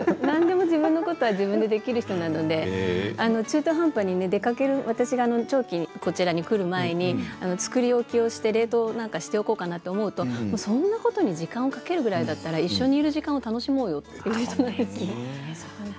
自分のことは自分でできる人なので私が長期こちらに来る前に作り置きをして冷凍なんかしておこうかなと思うとそんなことに時間をかけるぐらいだったら一緒にいる時間を楽しもうよって。